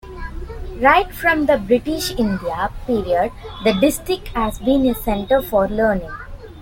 Right from the British India period the district has been a center for learning.